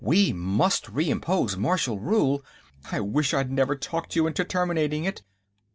"We must re impose martial rule. I wish I'd never talked you into terminating it.